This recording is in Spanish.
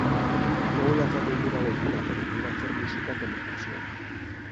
No voy a hacer ninguna locura, pero quiero hacer música que me apasiona.